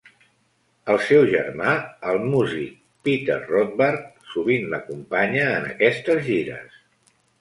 El seu germà, el músic Peter Rothbart, sovint l'acompanya en aquestes gires.